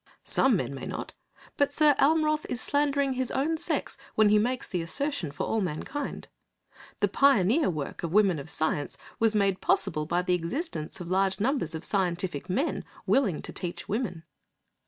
Some men may not, but Sir Almroth is slandering his own sex when he makes the assertion for all mankind. The pioneer work of women of science was made possible by the existence of large numbers of scientific men willing to teach women.